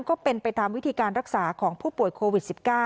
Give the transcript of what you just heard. ก็เป็นไปตามวิธีการรักษาของผู้ป่วยโควิด๑๙